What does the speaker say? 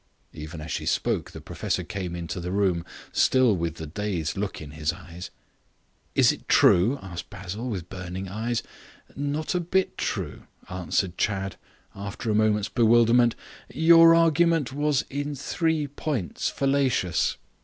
Even as she spoke the professor came into the room still with the dazed look in his eyes. "Is it true?" asked Basil, with burning eyes. "Not a bit true," answered Chadd after a moment's bewilderment. "Your argument was in three points fallacious."